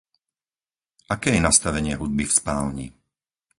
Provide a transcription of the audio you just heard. Aké je nastavenie hudby v spálni?